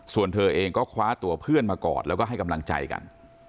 ส่วนเธอเองก็คว้าตัวเพื่อนมากอดแล้วก็ให้กำลังใจกัน